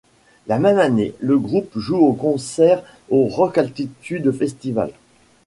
La même année, le groupe joue en concert au Rock Altitude Festival.